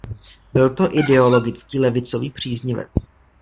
Byl to ideologický levicový příznivec.